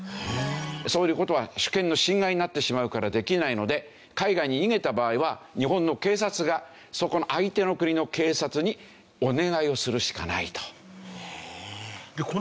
そういう事は主権の侵害になってしまうからできないので海外に逃げた場合は日本の警察がそこの相手の国の警察にお願いをするしかないと。